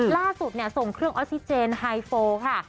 ล่าสุดเนี่ยส่งเครื่องออสิเจนไฮโฟล์ค่ะ